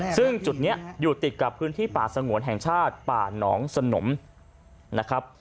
ซึ่งจุดนี้อยู่ติดกับพื้นที่ป่าสงวนแห่งชาติป่าหนองสนมนะครับ